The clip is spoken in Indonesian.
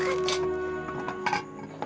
kau boring ga deh